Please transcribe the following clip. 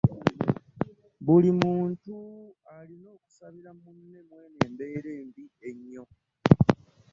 Buli muntu alina okusabira mune mweno embeera embi ennyo.